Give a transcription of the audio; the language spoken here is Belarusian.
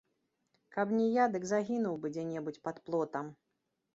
Каб не я, дык загінуў бы дзе-небудзь пад плотам.